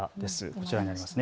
こちらになります。